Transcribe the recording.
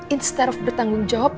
instead of bertanggung jawab